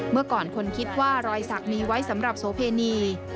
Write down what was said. เมื่อก่อนคนคิดว่ารอยสักมีไว้สำหรับโสเพณี